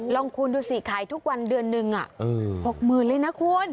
ลองคูณดูสิขายทุกวันเดือนนึงหกหมื่นเลยนะคุณ